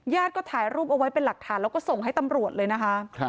ก็ถ่ายรูปเอาไว้เป็นหลักฐานแล้วก็ส่งให้ตำรวจเลยนะคะ